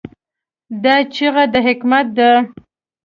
دا چیغه د حکمت ده.